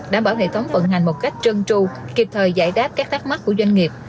đảm bảo hệ thống vận hành một cách trân tru kịp thời giải đáp các thắc mắc của doanh nghiệp